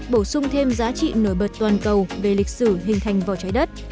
bổ sung thêm giá trị nổi bật toàn cầu về lịch sử hình thành vào trái đất